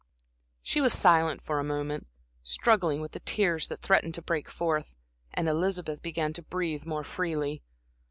She was silent for a moment, struggling with the tears that threatened to break forth, and Elizabeth began to breathe more freely.